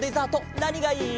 なにがいい？